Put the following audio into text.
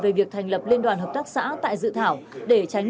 về việc thành lập liên đoàn hợp tác xã tại dự thảo để tránh